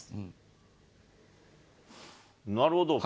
なるほど。